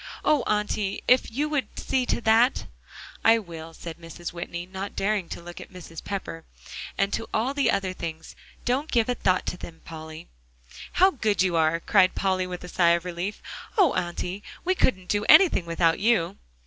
Oh, Auntie! if you would see to that." "I will," said Mrs. Whitney, not daring to look at Mrs. Pepper, "and to all the other things; don't give a thought to them, Polly." "How good you are," cried Polly with a sigh of relief. "Oh, Auntie! we couldn't do anything without you."